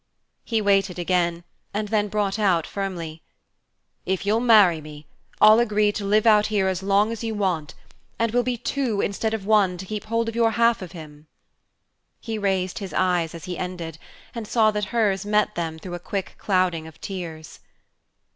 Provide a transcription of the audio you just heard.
He waited again, and then brought out firmly: "If you'll marry me, I'll agree to live out here as long as you want, and we'll be two instead of one to keep hold of your half of him." He raised his eyes as he ended, and saw that hers met them through a quick clouding of tears.